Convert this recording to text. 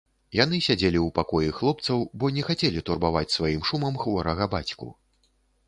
Яны сядзелі ў пакоі хлопцаў, бо не хацелі турбаваць сваім шумам хворага бацьку.